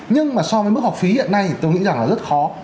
nhưng mà so với mức học phí hiện nay thì tôi nghĩ rằng là rất khó